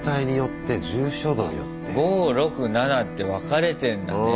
５６７って分かれてんだね。